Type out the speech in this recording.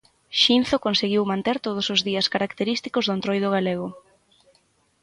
Xinzo conseguiu manter todos os días característicos do entroido galego.